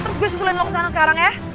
terus gue susulin lo ke sana sekarang ya